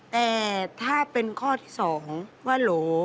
แต่ถ้าเป็นข้อที่๒ว่าโหล